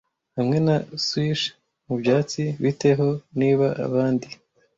Hamwe na swish mu byatsi. "Bite ho niba abandi?